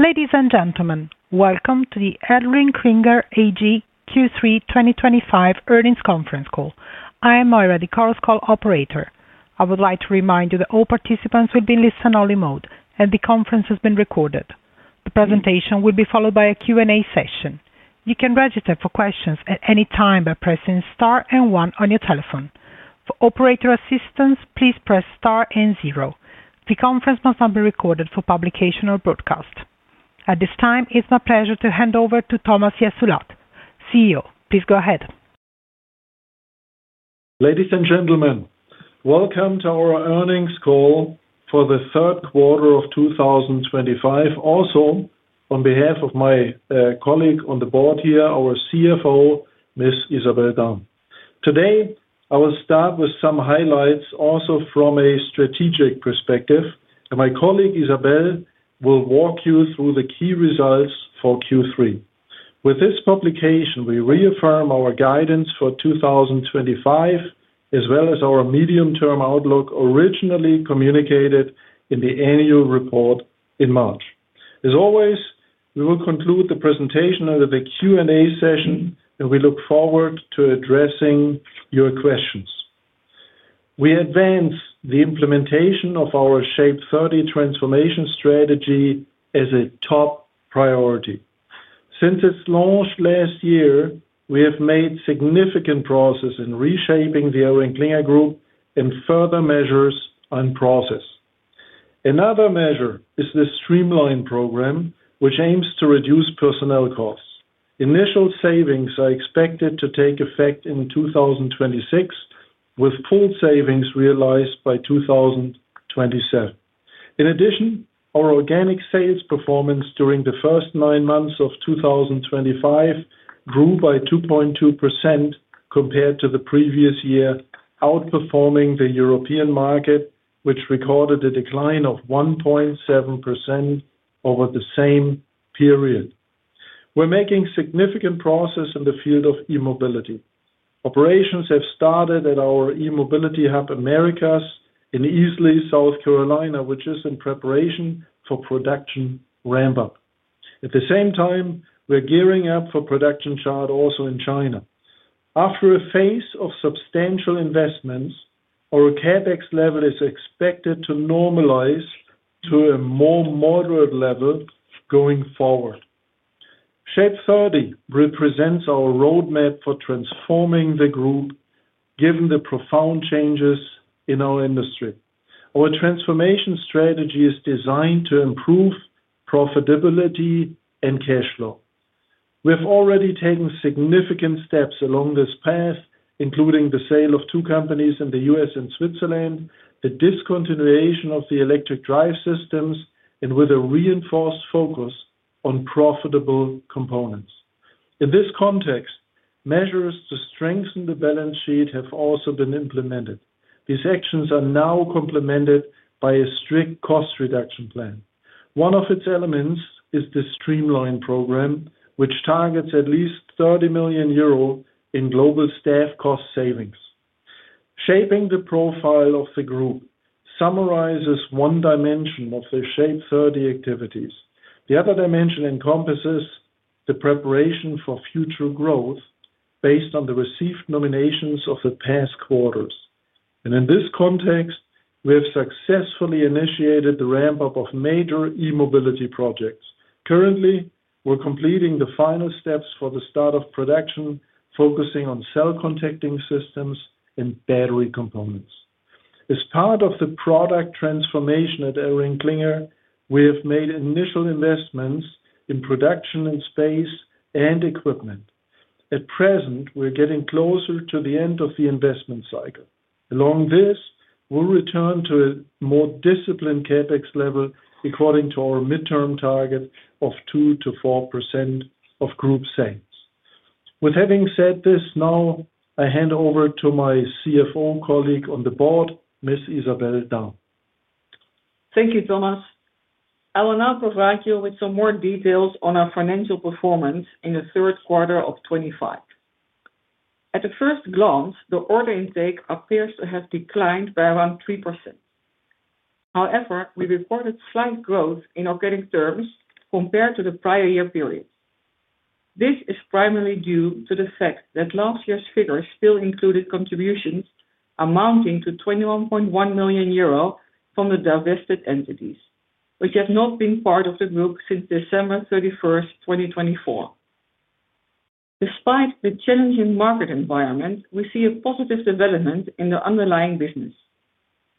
Ladies and gentlemen, welcome to the ElringKlinger AG Q3 2025 earnings conference call. I am Moira, the call's call operator. I would like to remind you that all participants will be in listen-only mode and the conference is being recorded. The presentation will be followed by a Q&A session. You can register for questions at any time by pressing star and one on your telephone. For operator assistance, please press star and zero. The conference must not be recorded for publication or broadcast. At this time, it is my pleasure to hand over to Thomas Jessulat, CEO. Please go ahead. Ladies and gentlemen, welcome to our earnings call for the third quarter of 2025. Also, on behalf of my colleague on the Board here, our CFO, Ms. Isabelle Damen. Today, I will start with some highlights also from a strategic perspective. My colleague Isabelle will walk you through the key results for Q3. With this publication, we reaffirm our guidance for 2025, as well as our medium-term outlook originally communicated in the annual report in March. As always, we will conclude the presentation with a Q&A session, and we look forward to addressing your questions. We advance the implementation of our Shape 30 transformation strategy as a top priority. Since its launch last year, we have made significant progress in reshaping the ElringKlinger Group and further measures and process. Another measure is the Streamline program, which aims to reduce personnel costs. Initial savings are expected to take effect in 2026, with full savings realized by 2027. In addition, our organic sales performance during the first nine months of 2025 grew by 2.2% compared to the previous year, outperforming the European market, which recorded a decline of 1.7% over the same period. We're making significant progress in the field of e-mobility. Operations have started at our e-mobility hub, Americas, in Easley, South Carolina, which is in preparation for production ramp-up. At the same time, we're gearing up for production start also in China. After a phase of substantial investments, our CapEx level is expected to normalize to a more moderate level going forward. Shape 30 represents our roadmap for transforming the group, given the profound changes in our industry. Our transformation strategy is designed to improve profitability and cash flow. We have already taken significant steps along this path, including the sale of two companies in the US and Switzerland, the discontinuation of the electric drive systems, and with a reinforced focus on profitable components. In this context, measures to strengthen the balance sheet have also been implemented. These actions are now complemented by a strict cost reduction plan. One of its elements is the streamline program, which targets at least 30 million euro in global staff cost savings. Shaping the profile of the group summarizes one dimension of the Shape 30 activities. The other dimension encompasses the preparation for future growth based on the received nominations of the past quarters. In this context, we have successfully initiated the ramp-up of major e-mobility projects. Currently, we're completing the final steps for the start of production, focusing on cell contacting systems and battery components. As part of the product transformation at ElringKlinger, we have made initial investments in production and space and equipment. At present, we're getting closer to the end of the investment cycle. Along this, we'll return to a more disciplined CapEx level according to our midterm target of 2%-4% of group sales. With having said this, now I hand over to my CFO colleague on the board, Ms. Isabelle Damen. Thank you, Thomas. I will now provide you with some more details on our financial performance in the third quarter of 2025. At the first glance, the order intake appears to have declined by around 3%. However, we reported slight growth in organic terms compared to the prior year period. This is primarily due to the fact that last year's figures still included contributions amounting to 21.1 million euro from the divested entities, which have not been part of the group since December 31, 2024. Despite the challenging market environment, we see a positive development in the underlying business.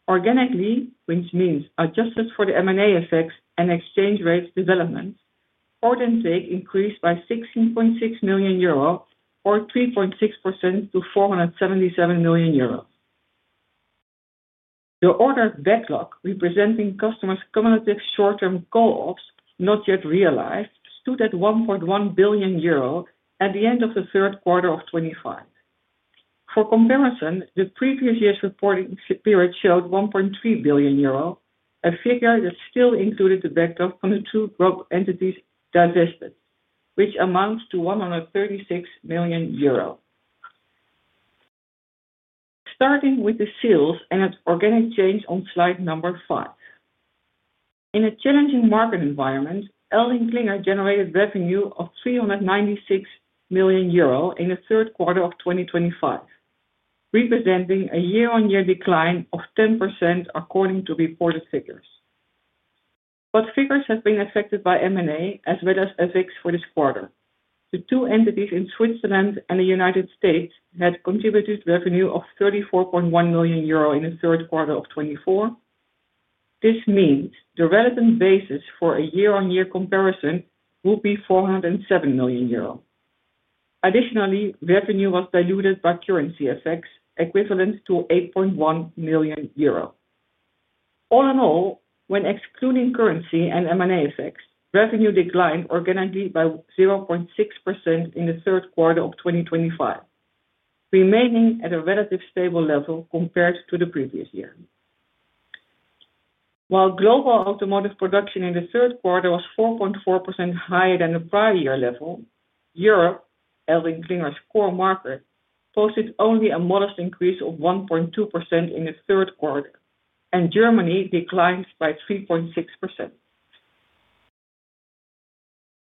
Organically, which means adjusted for the M&A effects and exchange rate development, order intake increased by 16.6 million euros or 3.6% to 477 million euros. The order backlog, representing customers' cumulative short-term call ops not yet realized, stood at 1.1 billion euro at the end of the third quarter of 2025. For comparison, the previous year's reporting period showed 1.3 billion euro, a figure that still included the backlog from the two group entities divested, which amounts to 136 million euro. Starting with the sales and organic change on slide number five. In a challenging market environment, ElringKlinger generated revenue of 396 million euro in the third quarter of 2025, representing a year-on-year decline of 10% according to reported figures. Figures have been affected by M&A as well as FX for this quarter. The two entities in Switzerland and the United States had contributed revenue of 34.1 million euro in the third quarter of 2024. This means the relevant basis for a year-on-year comparison will be 407 million euro. Additionally, revenue was diluted by currency effects, equivalent to 8.1 million euro. All in all, when excluding currency and M&A effects, revenue declined organically by 0.6% in the third quarter of 2025, remaining at a relatively stable level compared to the previous year. While global automotive production in the third quarter was 4.4% higher than the prior year level, Europe, ElringKlinger's core market, posted only a modest increase of 1.2% in the third quarter, and Germany declined by 3.6%.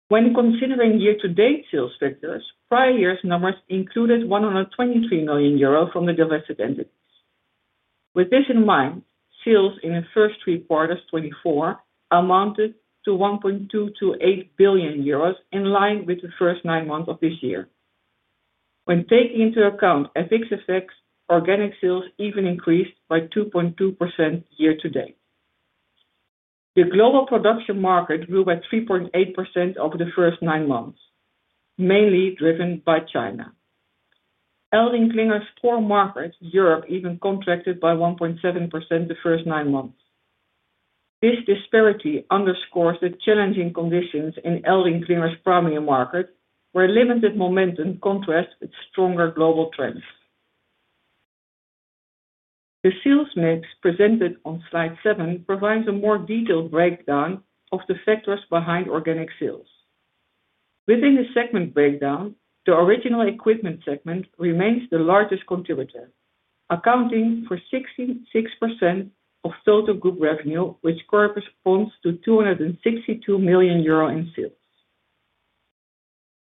When considering year-to-date sales figures, prior year's numbers included 123 million euro from the divested entities. With this in mind, sales in the first three quarters of 2024 amounted to 1.228 billion euros, in line with the first nine months of this year. When taking into account FX effects, organic sales even increased by 2.2% year-to-date. The global production market grew by 3.8% over the first nine months, mainly driven by China. ElringKlinger's core market, Europe, even contracted by 1.7% the first nine months. This disparity underscores the challenging conditions in ElringKlinger's primary market, where limited momentum contrasts with stronger global trends. The sales mix presented on slide seven provides a more detailed breakdown of the factors behind organic sales. Within the segment breakdown, the original equipment segment remains the largest contributor, accounting for 66% of total group revenue, which corresponds to 262 million euro in sales.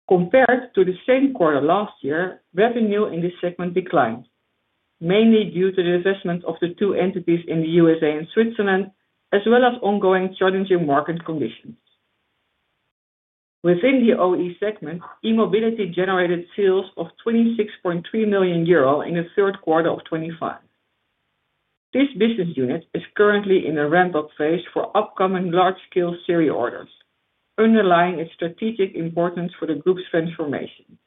Compared to the same quarter last year, revenue in this segment declined, mainly due to the divestment of the two entities in the United States and Switzerland, as well as ongoing challenging market conditions. Within the OE segment, e-mobility generated sales of 26.3 million euro in the third quarter of 2025. This business unit is currently in a ramp-up phase for upcoming large-scale series orders, underlying its strategic importance for the group's transformation.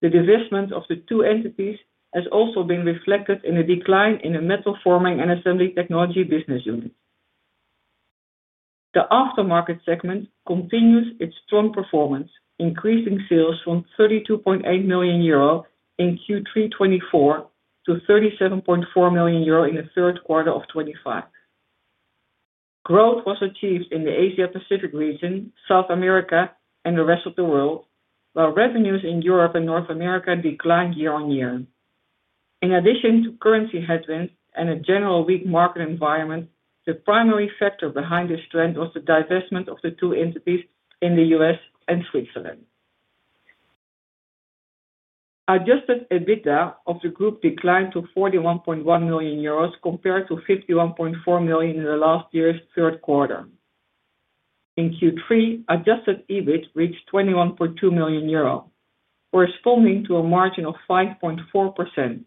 The divestment of the two entities has also been reflected in the decline in the metal forming and assembly technology business unit. The aftermarket segment continues its strong performance, increasing sales from 32.8 million euro in Q3 2024 to 37.4 million euro in the third quarter of 2025. Growth was achieved in the Asia-Pacific region, South America, and the rest of the world, while revenues in Europe and North America declined year-on-year. In addition to currency headwinds and a general weak market environment, the primary factor behind this trend was the divestment of the two entities in the United States and Switzerland. Adjusted EBITDA of the group declined to 41.1 million euros compared to 51.4 million in last year's third quarter. In Q3, adjusted EBIT reached 21.2 million euro, corresponding to a margin of 5.4%,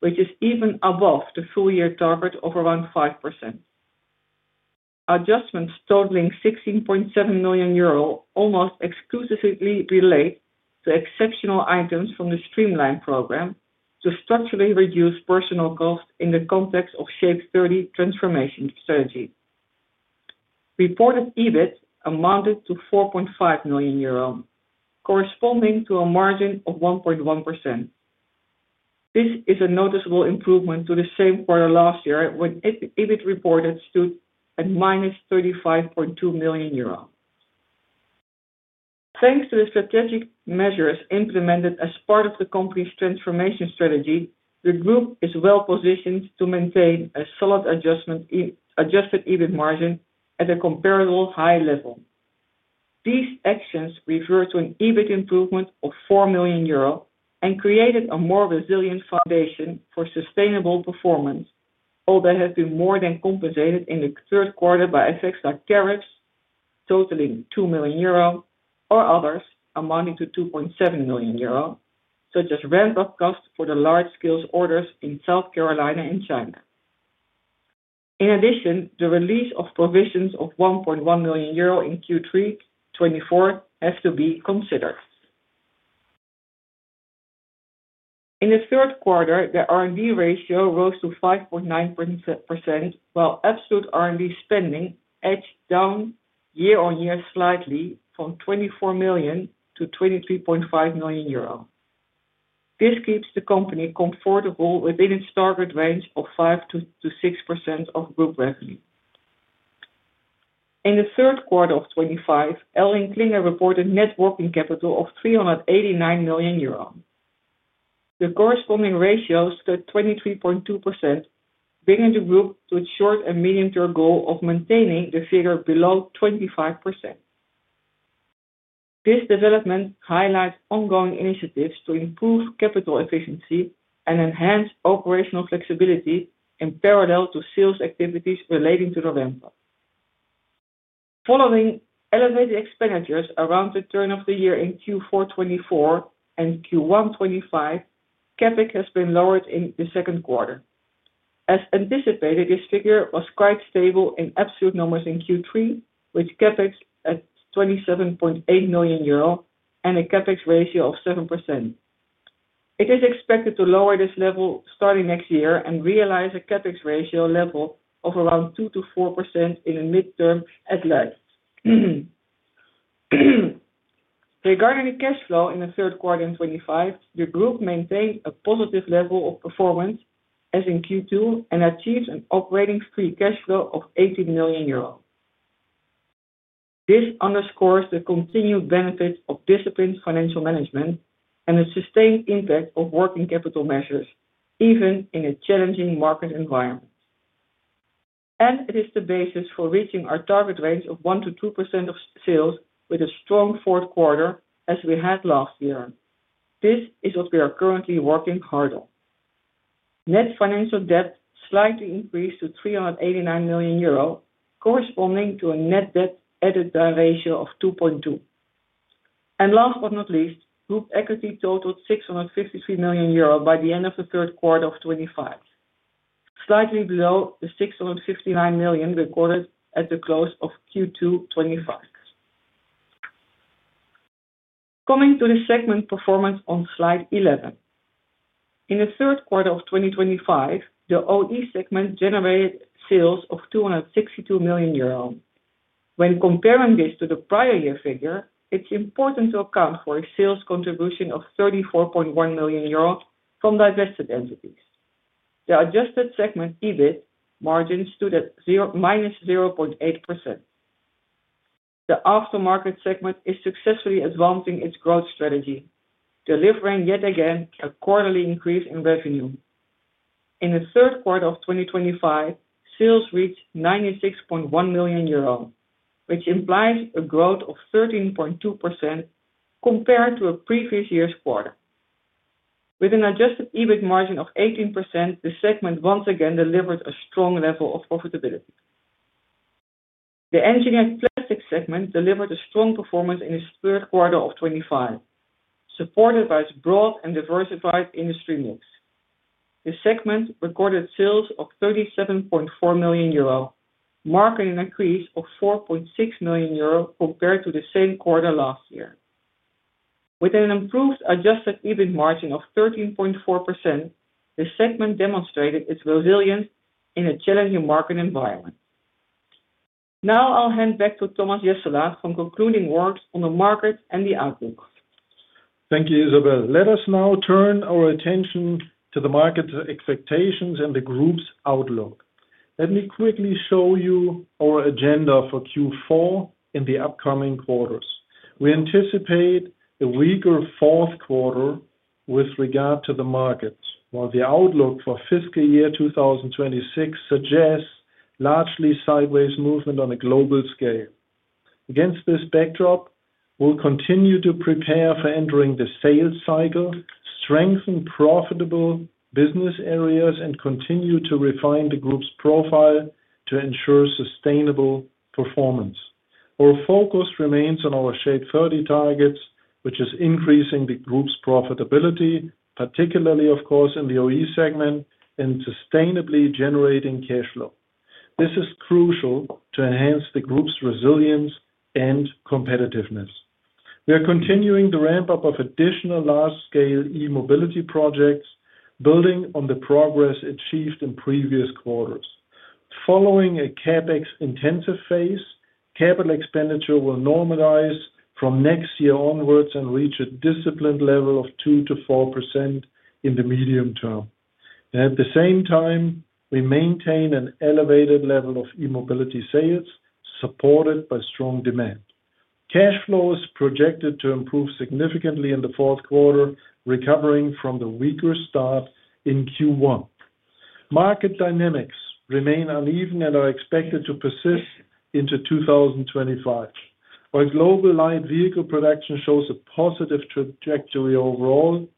which is even above the full-year target of around 5%. Adjustments totaling 16.7 million euro almost exclusively relate to exceptional items from the streamline program to structurally reduce personnel costs in the context of the Shape 30 transformation strategy. Reported EBIT amounted to 4.5 million euro, corresponding to a margin of 1.1%. This is a noticeable improvement to the same quarter last year when EBIT reported stood at 35.2 million euros. Thanks to the strategic measures implemented as part of the company's transformation strategy, the group is well positioned to maintain a solid adjusted EBIT margin at a comparable high level. These actions refer to an EBIT improvement of 4 million euro and created a more resilient foundation for sustainable performance, although it has been more than compensated in the third quarter by effects like tariffs totaling 2 million euro or others amounting to 2.7 million euro, such as ramp-up costs for the large-scale orders in South Carolina and China. In addition, the release of provisions of 1.1 million euro in Q3 2024 has to be considered. In the third quarter, the R&D ratio rose to 5.9%, while absolute R&D spending edged down year-on-year slightly from 24 million to 23.5 million euro. This keeps the company comfortable within its target range of 5%-6% of group revenue. In the third quarter of 2025, ElringKlinger reported net working capital of 389 million euro. The corresponding ratio stood at 23.2%, bringing the group to its short and medium-term goal of maintaining the figure below 25%. This development highlights ongoing initiatives to improve capital efficiency and enhance operational flexibility in parallel to sales activities relating to the ramp-up. Following elevated expenditures around the turn of the year in Q4 2024 and Q1 2025, CapEx has been lowered in the second quarter. As anticipated, this figure was quite stable in absolute numbers in Q3, with CapEx at 27.8 million euro and a CapEx ratio of 7%. It is expected to lower this level starting next year and realize a CapEx ratio level of around 2%-4% in the midterm at large. Regarding the cash flow in the third quarter in 2025, the group maintained a positive level of performance as in Q2 and achieved an operating free cash flow of 18 million euros. This underscores the continued benefit of disciplined financial management and the sustained impact of working capital measures, even in a challenging market environment. It is the basis for reaching our target range of 1%-2% of sales with a strong fourth quarter as we had last year. This is what we are currently working hard on. Net financial debt slightly increased to 389 million euro, corresponding to a net debt-added-buy ratio of 2.2. Last but not least, group equity totaled 653 million euro by the end of the third quarter of 2025, slightly below the 659 million recorded at the close of Q2 2025. Coming to the segment performance on slide 11. In the third quarter of 2025, the OE segment generated sales of 262 million euro. When comparing this to the prior year figure, it's important to account for a sales contribution of 34.1 million euro from divested entities. The adjusted segment EBIT margin stood at minus 0.8%. The aftermarket segment is successfully advancing its growth strategy, delivering yet again a quarterly increase in revenue. In the third quarter of 2025, sales reached 96.1 million euro, which implies a growth of 13.2% compared to a previous year's quarter. With an adjusted EBIT margin of 18%, the segment once again delivered a strong level of profitability. The engineered plastics segment delivered a strong performance in its third quarter of 2025, supported by its broad and diversified industry mix. The segment recorded sales of 37.4 million euro, marking an increase of 4.6 million euro compared to the same quarter last year. With an improved adjusted EBIT margin of 13.4%, the segment demonstrated its resilience in a challenging market environment. Now I'll hand back to Thomas Jessulat for concluding words on the market and the outlook. Thank you, Isabelle. Let us now turn our attention to the market expectations and the group's outlook. Let me quickly show you our agenda for Q4 and the upcoming quarters. We anticipate a weaker fourth quarter with regard to the markets, while the outlook for fiscal year 2026 suggests largely sideways movement on a global scale. Against this backdrop, we'll continue to prepare for entering the sales cycle, strengthen profitable business areas, and continue to refine the group's profile to ensure sustainable performance. Our focus remains on our Shape 30 targets, which is increasing the group's profitability, particularly, of course, in the OE segment and sustainably generating cash flow. This is crucial to enhance the group's resilience and competitiveness. We are continuing the ramp-up of additional large-scale e-mobility projects, building on the progress achieved in previous quarters. Following a CapEx-intensive phase, capital expenditure will normalize from next year onwards and reach a disciplined level of 2%-4% in the medium term. At the same time, we maintain an elevated level of e-mobility sales supported by strong demand. Cash flow is projected to improve significantly in the fourth quarter, recovering from the weaker start in Q1. Market dynamics remain uneven and are expected to persist into 2025. While global light vehicle production shows a positive trajectory overall,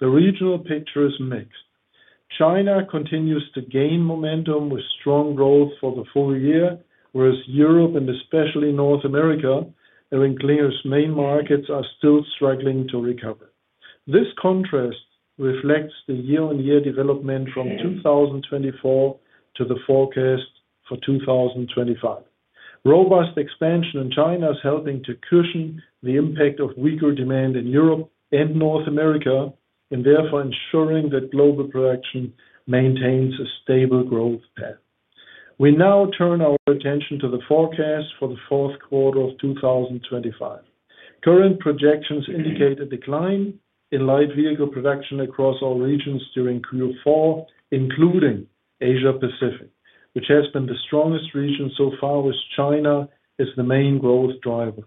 the regional picture is mixed. China continues to gain momentum with strong growth for the full year, whereas Europe and especially North America, ElringKlinger's main markets, are still struggling to recover. This contrast reflects the year-on-year development from 2024 to the forecast for 2025. Robust expansion in China is helping to cushion the impact of weaker demand in Europe and North America and therefore ensuring that global production maintains a stable growth path. We now turn our attention to the forecast for the fourth quarter of 2025. Current projections indicate a decline in light vehicle production across all regions during Q4, including Asia-Pacific, which has been the strongest region so far, with China as the main growth driver.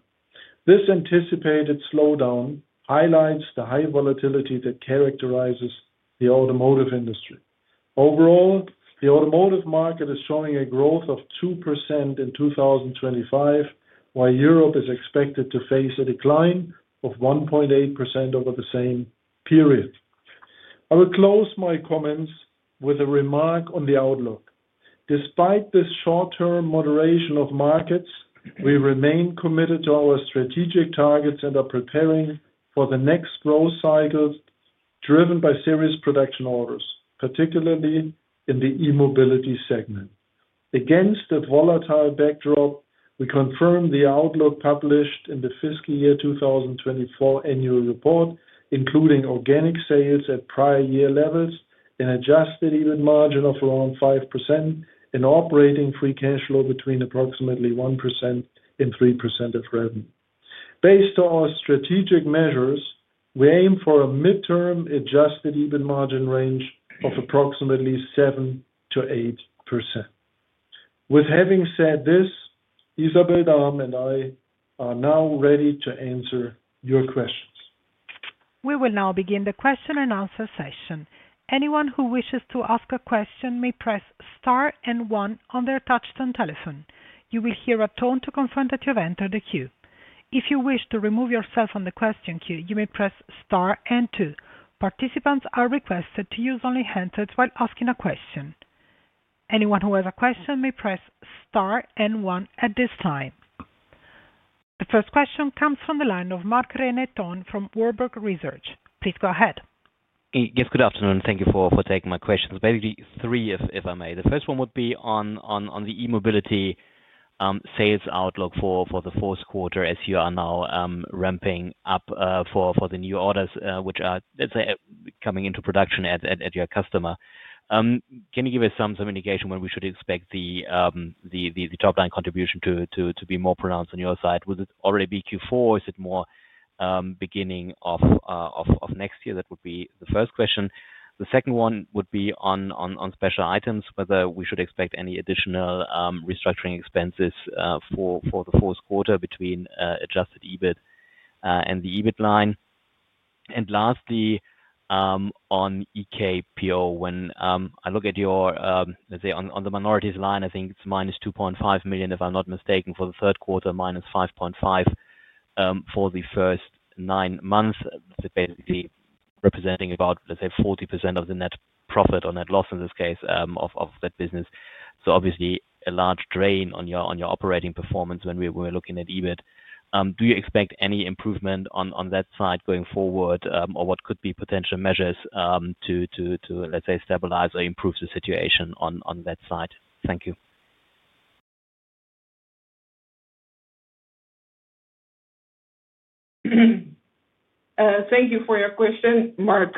This anticipated slowdown highlights the high volatility that characterizes the automotive industry. Overall, the automotive market is showing a growth of 2% in 2025, while Europe is expected to face a decline of 1.8% over the same period. I will close my comments with a remark on the outlook. Despite this short-term moderation of markets, we remain committed to our strategic targets and are preparing for the next growth cycle driven by serious production orders, particularly in the e-mobility segment. Against a volatile backdrop, we confirm the outlook published in the fiscal year 2024 annual report, including organic sales at prior year levels, an adjusted EBIT margin of around 5%, and operating free cash flow between approximately 1% and 3% of revenue. Based on our strategic measures, we aim for a midterm adjusted EBIT margin range of approximately 7%-8%. With having said this, Isabelle Dambach and I are now ready to answer your questions. We will now begin the question-and-answer session. Anyone who wishes to ask a question may press star and one on their touchstone telephone. You will hear a tone to confirm that you have entered the queue. If you wish to remove yourself from the question queue, you may press star and two. Participants are requested to use only handsets while asking a question. Anyone who has a question may press star and one at this time. The first question comes from the line of Marc René Tonn from Warburg Research. Please go ahead. Yes, good afternoon. Thank you for taking my questions. Basically, three, if I may. The first one would be on the e-mobility sales outlook for the fourth quarter as you are now ramping up for the new orders which are coming into production at your customer. Can you give us some indication when we should expect the top-line contribution to be more pronounced on your side? Will it already be Q4? Is it more beginning of next year? That would be the first question. The second one would be on special items, whether we should expect any additional restructuring expenses for the fourth quarter between adjusted EBIT and the EBIT line. Lastly, on EKPO, when I look at your, let's say, on the minorities line, I think it's minus 2.5 million, if I'm not mistaken, for the third quarter, minus 5.5 million for the first nine months, basically representing about, let's say, 40% of the net profit or net loss in this case of that business. Obviously, a large drain on your operating performance when we're looking at EBIT. Do you expect any improvement on that side going forward, or what could be potential measures to, let's say, stabilize or improve the situation on that side? Thank you. Thank you for your question, Marc.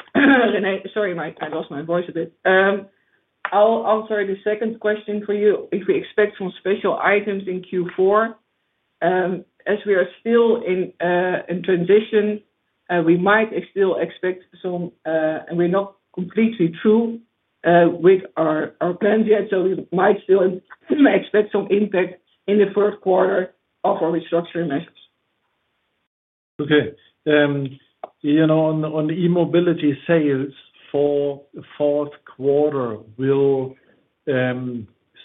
Sorry, Marc. I lost my voice a bit. I'll answer the second question for you. If we expect some special items in Q4, as we are still in transition, we might still expect some—and we're not completely through with our plans yet—so we might still expect some impact in the first quarter of our restructuring measures. Okay. On the e-mobility sales, for the fourth quarter,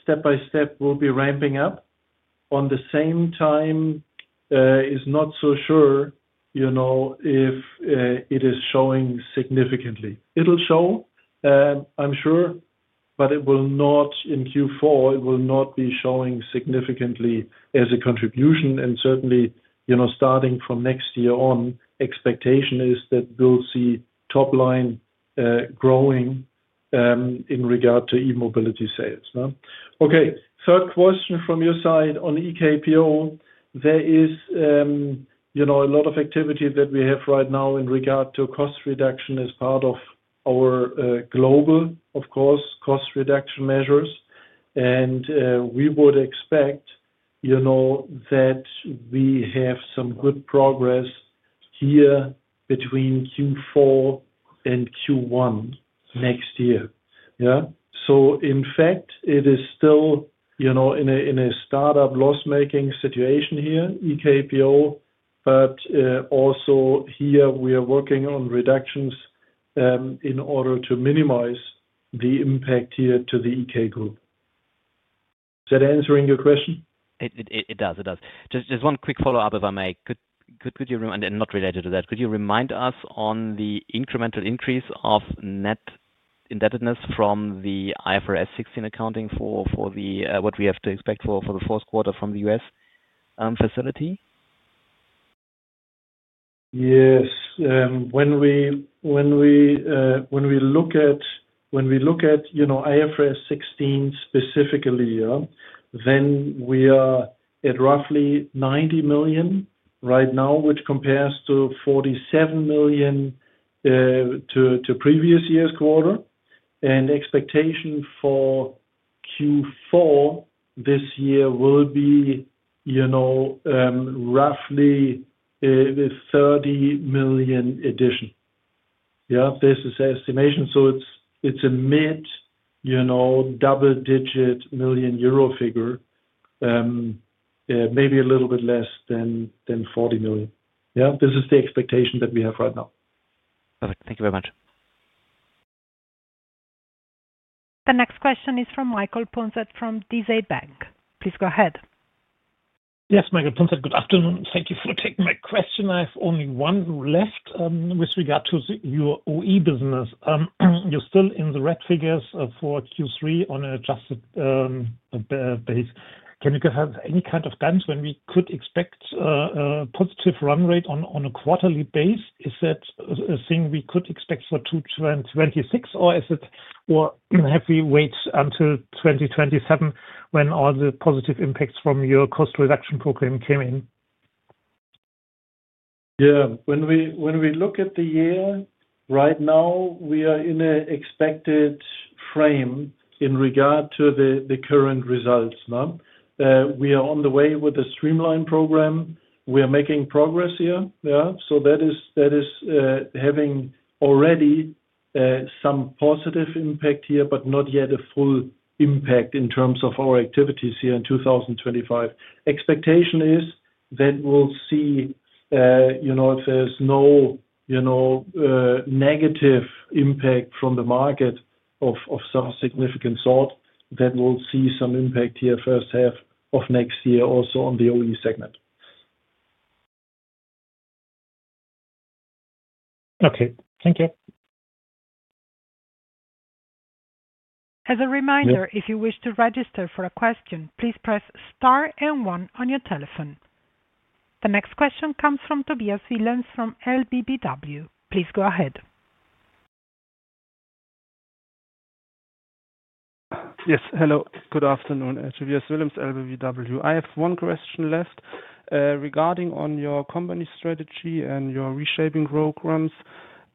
step by step, we'll be ramping up. At the same time, it's not so sure if it is showing significantly. It'll show, I'm sure, but it will not—in Q4, it will not be showing significantly as a contribution. Certainly, starting from next year on, the expectation is that we'll see top-line growing in regard to e-mobility sales. Okay. Third question from your side on EKPO. There is a lot of activity that we have right now in regard to cost reduction as part of our global, of course, cost reduction measures. We would expect that we have some good progress here between Q4 and Q1 next year. In fact, it is still in a startup loss-making situation here, EKPO, but also here, we are working on reductions in order to minimize the impact here to the EK group. Is that answering your question? It does. It does. Just one quick follow-up, if I may. Could you—and not related to that—could you remind us on the incremental increase of net indebtedness from the IFRS 16 accounting for what we have to expect for the fourth quarter from the US facility? Yes. When we look at IFRS 16 specifically, then we are at roughly 90 million right now, which compares to 47 million to previous year's quarter. The expectation for Q4 this year will be roughly a 30 million addition. This is an estimation. It is a mid-double-digit million euro figure, maybe a little bit less than 40 million. This is the expectation that we have right now. Perfect. Thank you very much. The next question is from Michael Punzet from DZ Bank. Please go ahead. Yes, Michael Punzet. Good afternoon. Thank you for taking my question. I have only one left with regard to your OE business. You are still in the red figures for Q3 on an adjusted base. Can you give us any kind of guidance when we could expect a positive run rate on a quarterly base? Is that a thing we could expect for 2026, or have we waited until 2027 when all the positive impacts from your cost reduction program came in? Yeah. When we look at the year right now, we are in an expected frame in regard to the current results. We are on the way with the streamline program. We are making progress here. That is having already some positive impact here, but not yet a full impact in terms of our activities here in 2025. Expectation is that we'll see if there's no negative impact from the market of some significant sort, that we'll see some impact here first half of next year also on the OE segment. Okay. Thank you. As a reminder, if you wish to register for a question, please press Star and one on your telephone. The next question comes from Tobias Willems from LBBW. Please go ahead. Yes. Hello. Good afternoon. Tobias Willems, LBBW. I have one question left regarding your company strategy and your reshaping programs.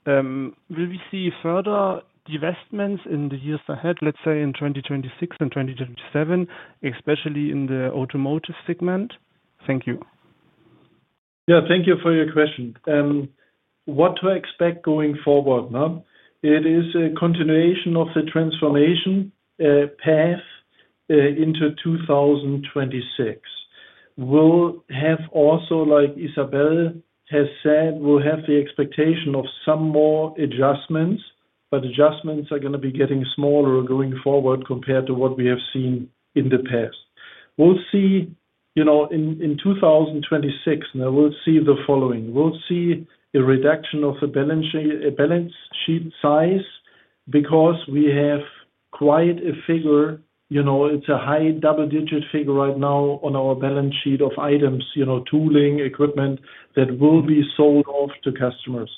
Will we see further divestments in the years ahead, let's say in 2026 and 2027, especially in the automotive segment? Thank you. Yeah. Thank you for your question. What to expect going forward? It is a continuation of the transformation path into 2026. We'll have also, like Isabelle has said, we'll have the expectation of some more adjustments, but adjustments are going to be getting smaller going forward compared to what we have seen in the past. We'll see in 2026, and we'll see the following. We'll see a reduction of the balance sheet size because we have quite a figure. It's a high double-digit figure right now on our balance sheet of items, tooling, equipment that will be sold off to customers.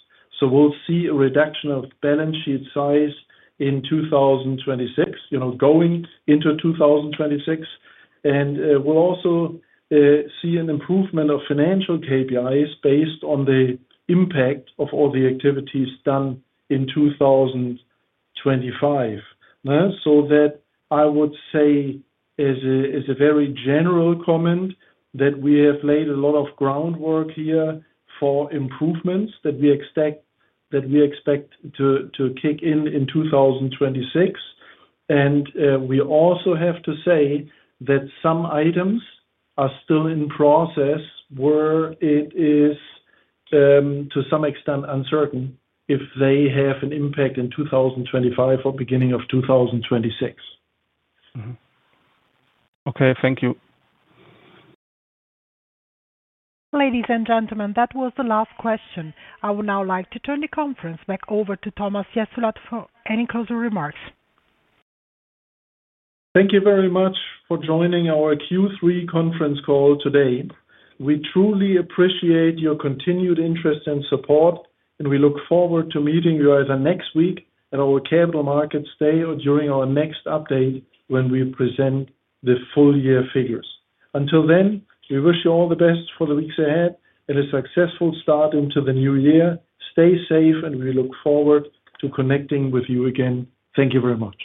We'll see a reduction of balance sheet size in 2026, going into 2026. We'll also see an improvement of financial KPIs based on the impact of all the activities done in 2025. That I would say is a very general comment that we have laid a lot of groundwork here for improvements that we expect to kick in in 2026. We also have to say that some items are still in process where it is, to some extent, uncertain if they have an impact in 2025 or beginning of 2026. Okay. Thank you. Ladies and gentlemen, that was the last question. I would now like to turn the conference back over to Thomas Jessulat for any closing remarks. Thank you very much for joining our Q3 conference call today. We truly appreciate your continued interest and support, and we look forward to meeting you either next week at our Capital Markets Day or during our next update when we present the full year figures. Until then, we wish you all the best for the weeks ahead and a successful start into the new year. Stay safe, and we look forward to connecting with you again. Thank you very much.